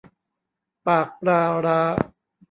ปากปลาร้า